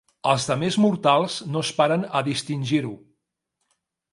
Els demés mortals no es paren a distingir-ho.